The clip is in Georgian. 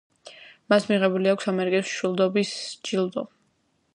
მას მიღებული აქვს ამერიკის მშვიდობის ჯილდო.